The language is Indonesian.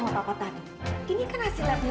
nggak perlu kita baca kertas ini